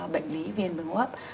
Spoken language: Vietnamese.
bệnh lý viên đường ô hấp